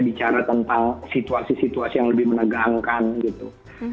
bicara tentang situasi situasi yang lebih menegangkan gitu